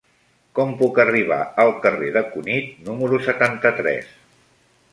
Com puc arribar al carrer de Cunit número setanta-tres?